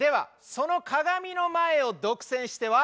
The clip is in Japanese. その鏡の前を独占しては。